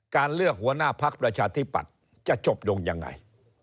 การเลือกหัวหน้าพักประชาธิปัตย์จะจบลงยังไง